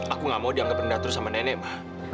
aku nggak mau dianggap rendah terus sama nenek ma